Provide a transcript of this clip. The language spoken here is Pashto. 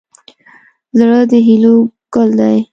زړه د هیلو ګل دی.